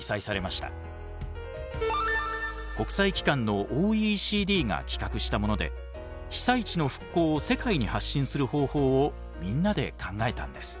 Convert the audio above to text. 国際機関のＯＥＣＤが企画したもので被災地の復興を世界に発信する方法をみんなで考えたんです。